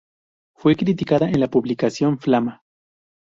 Fue criticada en la publicación "Flama".